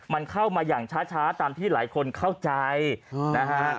มันเข้ามาอย่างช้าตามที่หลายคนเข้าใจนะฮะ